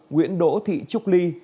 nguyễn đỗ thị trúc ly